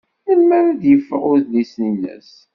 Melmi ay d-yeffeɣ udlis-nnes?